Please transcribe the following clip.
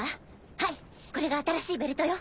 はいこれが新しいベルトよ。